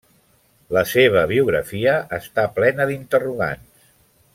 La seva biografia està plena d'interrogants.